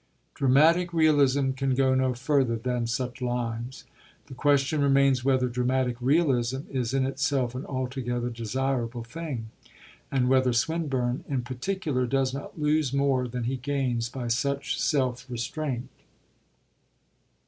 Dramatic realism can go no further than such lines. The question remains whether dramatic realism is in itself an altogether desirable thing, and whether Swinburne in particular does not lose more than he gains by such self restraint.